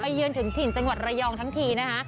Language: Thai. เยือนถึงถิ่นจังหวัดระยองทั้งทีนะคะ